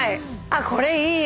これいいよ。